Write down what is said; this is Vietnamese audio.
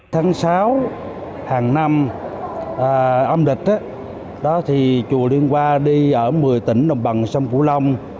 tháng sáu hàng năm âm địch chùa liên hoa đi ở một mươi tỉnh đồng bằng sông cửu long